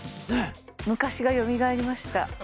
昔がよみがえりました